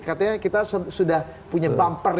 katanya kita sudah punya bumper